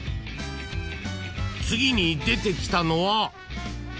［次に出てきたのは］